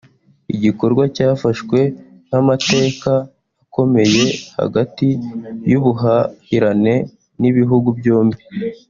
igikorwa cyafashwe nk’amateka akomeye hagati y’ubuhahirane bw’ibihugu byombi